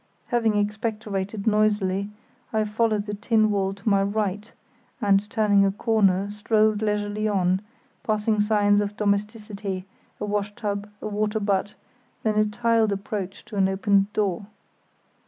Having expectorated noisily, I followed the tin wall to my right, and turning a corner strolled leisurely on, passing signs of domesticity, a washtub, a water butt, then a tiled approach to an open door.